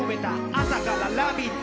朝から「ラヴィット！」